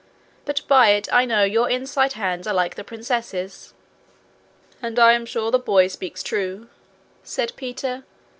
But by it I know your inside hands are like the princess's.' 'And I am sure the boy speaks true,' said Peter.